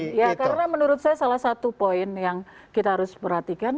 karena menurut saya salah satu poin yang kita harus perhatikan